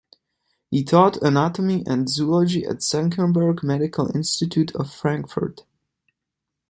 He taught anatomy and zoology at the Senckenberg Medical Institute of Frankfurt.